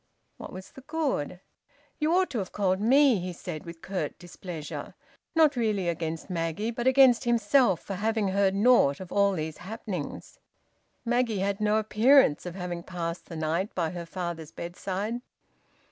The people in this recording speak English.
"What was the good?" "You ought to have called me," he said with curt displeasure, not really against Maggie, but against himself for having heard naught of all these happenings. Maggie had no appearance of having passed the night by her father's bedside.